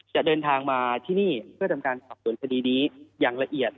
ก็เดินทางมาที่นี่เพื่อการทำการตรวจสสสดีนี้อย่างละเอียด